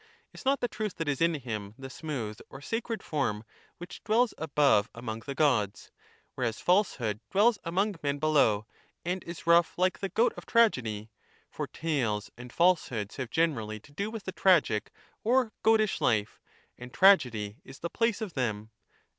Is not the truth that is in him the smooth or sacred form which dwells above among the Gods, whereas false hood dwells among men below, and is rough hke the goat of tragedy ; for tales and falsehoods have generally to do with the tragic or goatish hfe, and tragedy is the place of them?